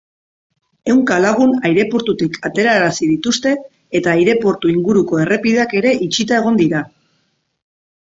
Ehunka lagun aireportutik aterarazi dituzte eta aireportu inguruko errepideak ere itxita egon dira.